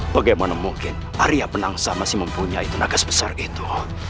bagaimana mungkin arya penangsa masih mempunyai tenaga sebesar itu